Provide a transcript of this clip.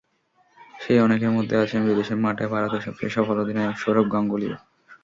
সেই অনেকের মধ্যে আছেন বিদেশের মাঠে ভারতের সবচেয়ে সফল অধিনায়ক সৌরভ গাঙ্গুলীও।